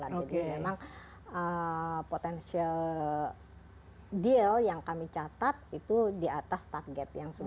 jadi memang potential deal yang kami catat itu di atas target